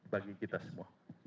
bagi kita semua